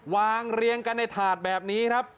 เรียงกันในถาดแบบนี้ครับ